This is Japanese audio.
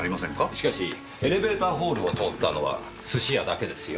しかしエレベーターホールを通ったのは寿司屋だけですよ。